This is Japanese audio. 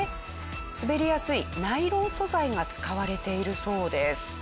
滑りやすいナイロン素材が使われているそうです。